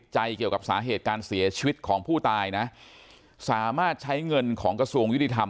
เกี่ยวกับสาเหตุการเสียชีวิตของผู้ตายนะสามารถใช้เงินของกระทรวงยุติธรรม